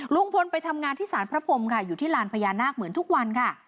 ลุงพลไปทำงานที่สารพระพรมค่ะอยู่ที่ลานพญานาคเหมือนทุกวันค่ะ